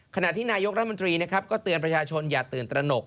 ขณะที่นายกรัฐมนตรีนะครับก็เตือนประชาชนอย่าตื่นตระหนก